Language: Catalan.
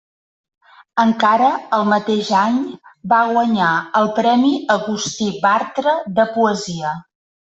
Encara el mateix any va guanyar el Premi Agustí Bartra de poesia.